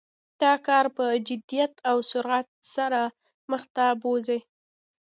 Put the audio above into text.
دا کار په جدیت او سرعت سره مخ ته بوزي.